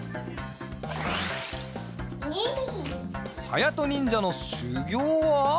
はやとにんじゃのしゅぎょうは？